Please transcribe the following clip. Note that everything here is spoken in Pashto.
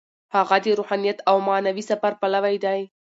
هغه د روحانیت او معنوي سفر پلوی دی.